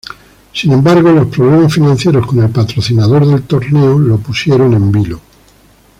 Sin embargo, los problemas financieros con el patrocinador del torneo lo pusieron en vilo.